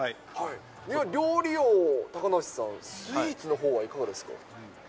料理王、高梨さん、スイーツのほうはいかがですか？